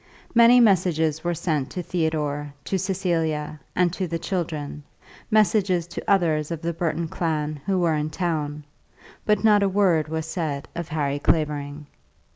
Many messages were sent to Theodore, to Cecilia, and to the children, messages to others of the Burton clan who were in town, but not a word was said of Harry Clavering.